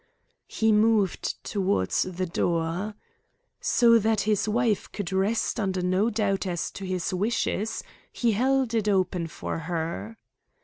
He moved towards the door. So that his wife could rest under no doubt as to his wishes, he held it open for her.